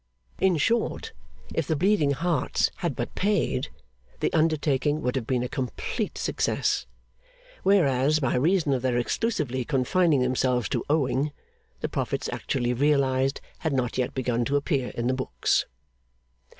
In short, if the Bleeding Hearts had but paid, the undertaking would have been a complete success; whereas, by reason of their exclusively confining themselves to owing, the profits actually realised had not yet begun to appear in the books.